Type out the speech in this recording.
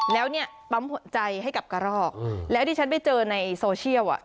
แล้วเนี่ยปั๊มหัวใจให้กับกระรอกแล้วที่ฉันไปเจอในโซเชียลอ่ะ